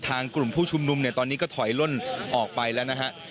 กลุ่มผู้ชุมนุมเนี่ยตอนนี้ก็ถอยล่นออกไปแล้วนะฮะ